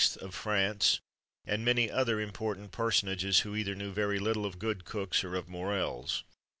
of France, and many other important personages, who either knew very little of good cooks, or of morels.